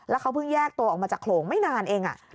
เขาเพิ่งแยกตัวออกมาจากโขลงไม่นานเอง